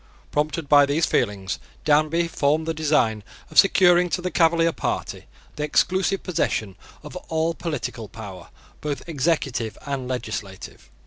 Prompted by these feelings, Danby formed the design of securing to the Cavalier party the exclusive possession of all political power both executive and legislative.